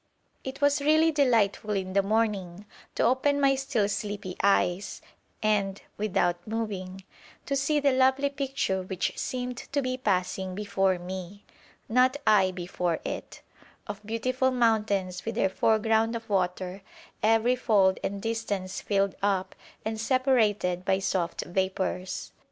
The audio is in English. It was really delightful in the morning to open my still sleepy eyes and, without moving, to see the lovely picture which seemed to be passing before me not I before it of beautiful mountains with their foreground of water, every fold and distance filled up and separated by soft vapours.